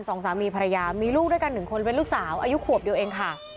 สองสามีภรรยามีลูกด้วยกันหนึ่งคนเป็นลูกสาวอายุขวบเดียวเองค่ะ